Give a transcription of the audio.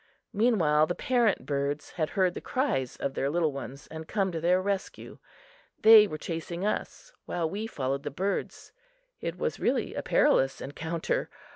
Meanwhile, the parent birds had heard the cries of their little ones and come to their rescue. They were chasing us, while we followed the birds. It was really a perilous encounter!